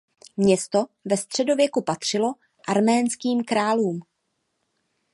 Město ve středověku patřilo arménským králům.